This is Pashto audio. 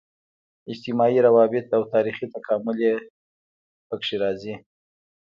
اجتماعي روابط او تاریخي تکامل یې په کې راځي.